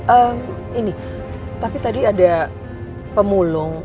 eh ini tapi tadi ada pemulung